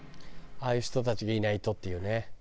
ああいう人たちがいないとっていうね。